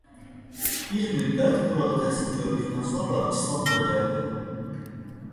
Bir müddət burada təhsil gördükdən sonra İstanbula gəldi.